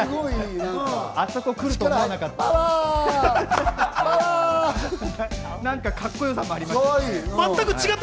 あそこで来ると思わなかった。